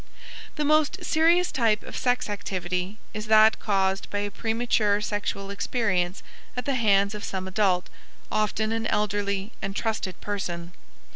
The most serious type of sex activity is that caused by a premature sexual experience at the hands of some adult, often an elderly and trusted person.